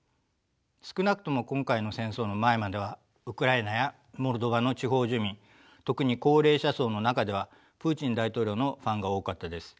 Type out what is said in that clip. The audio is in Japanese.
少なくとも今回の戦争の前まではウクライナやモルドバの地方住民特に高齢者層の中ではプーチン大統領のファンが多かったです。